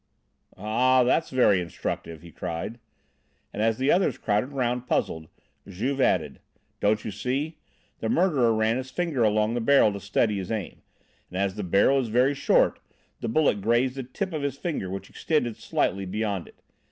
"Ah! that's very instructive!" he cried. And as the others crowded round, puzzled, Juve added: "Don't you see? The murderer ran his finger along the barrel to steady his aim, and as the barrel is very short, the bullet grazed the tip of his finger which extended slightly beyond it.